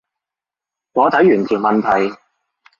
我睇完條問題